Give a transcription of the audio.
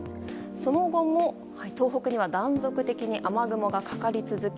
その後も東北では断続的に雨雲がかかり続け